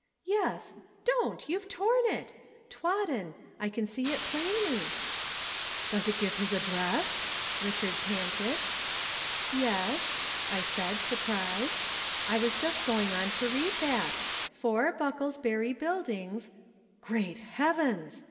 "'Yes don't! You've torn it. Twaddon, I can see it plainly.' "'Does it give his address?' Richard panted. "'Yes,' I said, surprised. I was just going on to read that, '4, Bucklesbury Buildings ' "'Great heavens!'